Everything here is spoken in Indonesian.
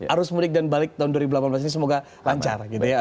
arus mudik dan balik tahun dua ribu delapan belas ini semoga lancar gitu ya